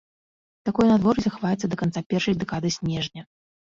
Такое надвор'е захаваецца да канца першай дэкады снежня.